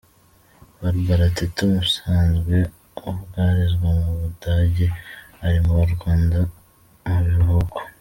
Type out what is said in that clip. Barbara Teta ubusanzwe ubarizwa mu Budage, ari mu Rwanda mu biruhuko.